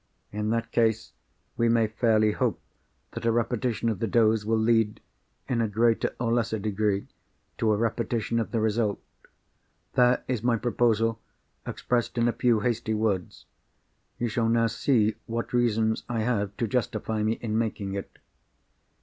In that case we may fairly hope that a repetition of the dose will lead, in a greater or lesser degree, to a repetition of the result. There is my proposal, expressed in a few hasty words. You shall now see what reasons I have to justify me in making it."